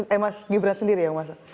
itu mas gibran sendiri yang masak